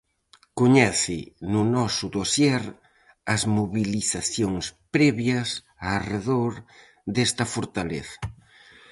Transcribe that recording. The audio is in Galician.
Coñece no noso dosier, as mobilizacións previas arredor desta fortaleza.